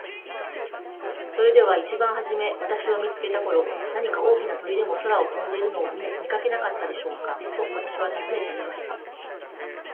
「それでは一番はじめ私を見つけた頃、何か大きな鳥でも空を飛んでいるのを見かけなかったでしょうか。」と私は尋ねてみました。